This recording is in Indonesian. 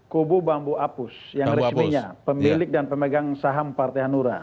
kubu bambu apus yang resminya pemilik dan pemegang saham partai hanura